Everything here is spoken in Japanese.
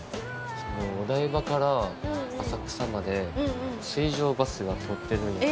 お台場から浅草まで水上バスが通ってるんやけど。